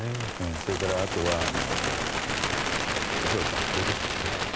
それからあとは恐らく学校ですよね。